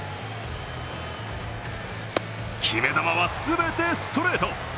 決め球は全てストレート。